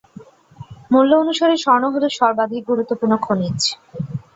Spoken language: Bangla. মূল্য অনুসারে স্বর্ণ হল সর্বাধিক গুরুত্বপূর্ণ খনিজ।